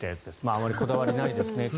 あまりこだわりないですねと。